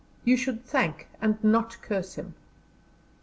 You should thank, and not curse him."